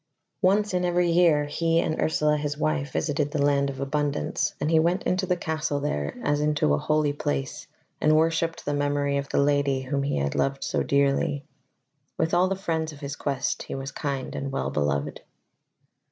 Once in every year he and Ursula his wife visited the Land of Abundance, and he went into the castle there as into a holy place, and worshipped the memory of the Lady whom he had loved so dearly. With all the friends of his quest he was kind and well beloved.